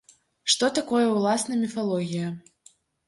Што такое ўласна міфалогія?